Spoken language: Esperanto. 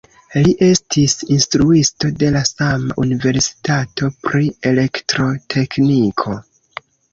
Li estis instruisto de la sama universitato pri elektrotekniko.